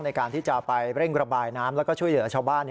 ในการที่จะไปเร่งระบายน้ำแล้วก็ช่วยเหลือชาวบ้าน